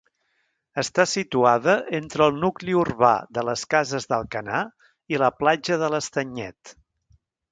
Està situada entre el nucli urbà de les Cases d'Alcanar i la platja de l'Estanyet.